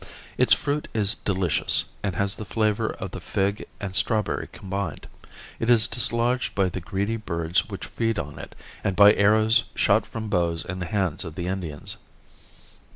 Its fruit is delicious and has the flavor of the fig and strawberry combined. It is dislodged by the greedy birds which feed on it and by arrows shot from bows in the hands of the Indians.